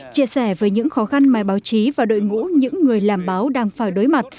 chia sẻ với những khó khăn mà báo chí và đội ngũ những người làm báo đang phải đối mặt